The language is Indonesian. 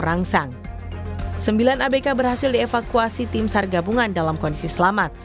sembilan abk berhasil dievakuasi tim sargabungan dalam kondisi selamat